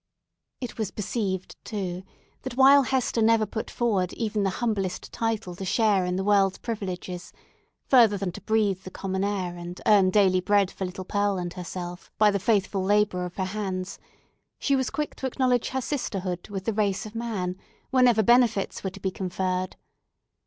It was perceived, too, that while Hester never put forward even the humblest title to share in the world's privileges—further than to breathe the common air and earn daily bread for little Pearl and herself by the faithful labour of her hands—she was quick to acknowledge her sisterhood with the race of man whenever benefits were to be conferred.